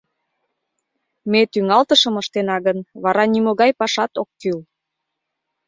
Ме тӱҥалтышым ыштена гын, вара нимогай пашат ок кӱл.